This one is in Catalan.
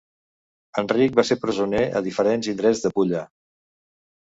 Enric va ser presoner a diferents indrets de Pulla.